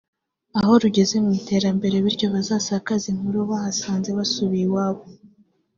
aho rugeze mu iterambere bityo bazasakaze inkuru bahasanze basubiye iwabo”